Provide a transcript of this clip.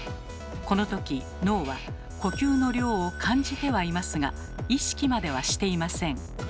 このとき脳は呼吸の量を感じてはいますが意識まではしていません。